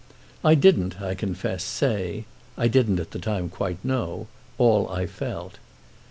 I didn't, I confess, say—I didn't at that time quite know—all I felt.